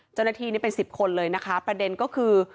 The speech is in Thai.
เจ้าหน้าที่นี่เป็นสิบคนเลยนะคะประเด็นก็คือ